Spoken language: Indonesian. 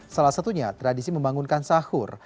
salah satunya tradisi membangunkan sahur